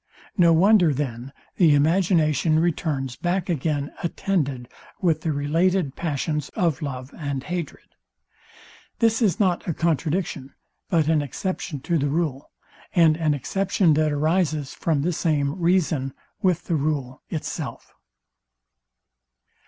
No wonder, then, the imagination returns back again attended with the related passions of love and hatred. This is not a contradiction, but an exception to the rule; and an exception that arises from the same reason with the rule itself.